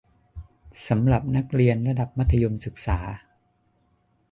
สำหรับนักเรียนระดับมัธยมศึกษา